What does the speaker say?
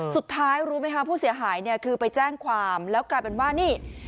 สุดท้ายรู้ไหมคะผู้เสียหายเนี่ยคือไปแจ้งความแล้วกลายเป็นว่านี่